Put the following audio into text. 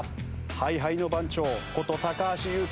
ＨｉＨｉの番長こと橋優斗。